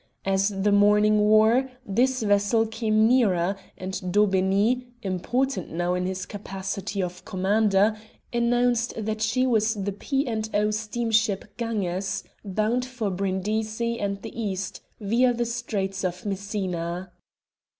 As the morning wore, this vessel came nearer, and Daubeney, important now in his capacity of commander, announced that she was the P. and O. steamship Ganges, bound for Brindisi and the East, via the Straits of Messina.